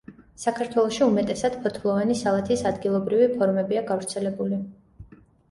საქართველოში უმეტესად ფოთლოვანი სალათის ადგილობრივი ფორმებია გავრცელებული.